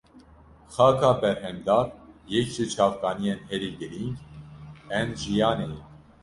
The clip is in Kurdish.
Xaka berhemdar yek ji çavkaniyên herî girîng ên jiyanê ye.